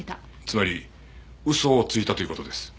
つまり嘘をついたという事です。